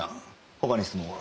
他に質問は？